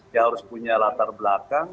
dia harus punya latar belakang